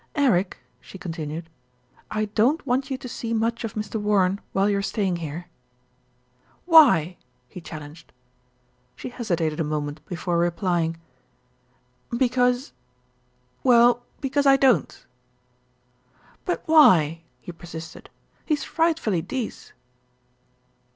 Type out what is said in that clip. "Eric," she continued. "I don't want you to see much of Mr. Warren while you're staying here." 126 THE RETURN OF ALFRED "Why?" he challenged. She hesitated a moment before replying. "Because well, because I don't." "But why?" he persisted. "He's frightfully dece."